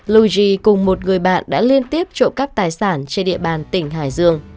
lu ji cùng một người bạn đã liên tiếp trộm cắp tài sản trên địa bàn tỉnh hải dương